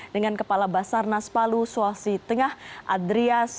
dengan kepala basar nas palu suwasi tengah andreas